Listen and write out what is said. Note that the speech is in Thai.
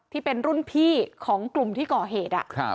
ที่เป็นรุ่นพี่ของกลุ่มที่ก่อเหตุ